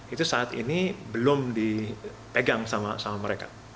itu saat ini belum dipegang sama mereka